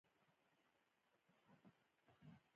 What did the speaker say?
بلکې ډېرې نورې روغتیايي ګټې هم لري.